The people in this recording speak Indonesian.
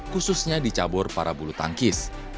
khususnya dicabur para bulu tangkis